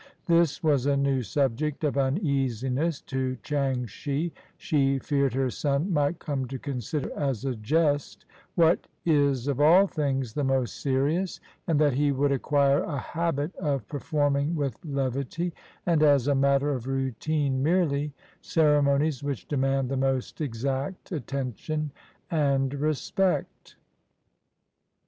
This was a new subject of uneasiness to Changshi ; she feared her son might come to consider as a jest what is of all things the most serious, and that he would acquire a habit of performing with levity, and as a matter of routine merely, ceremonies which demand the most exact attention and respect.